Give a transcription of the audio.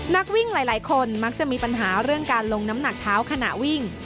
นักวิ่งหลายคนมักจะมีปัญหาเรื่องการลงน้ำหนักเท้าขณะวิ่ง